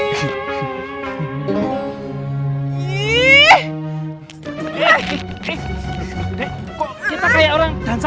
ih eh eh kok kita kayak orang dansa sih